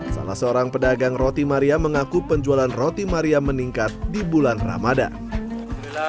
salah seorang pedagang roti maryam mengaku penjualan roti maryam meningkat di bulan ramadhan